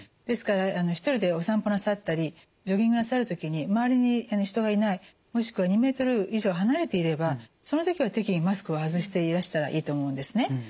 ですから一人でお散歩なさったりジョギングなさる時に周りに人がいないもしくは２ｍ以上離れていればその時は適宜マスクを外していらしたらいいと思うんですね。